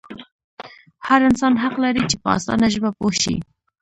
هر انسان حق لري چې په اسانه ژبه پوه شي.